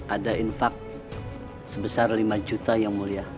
ada infak sebesar lima juta yang mulia